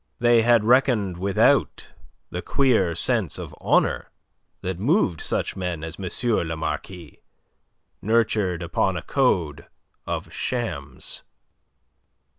They had reckoned without the queer sense of honour that moved such men as M. le Marquis, nurtured upon a code of shams.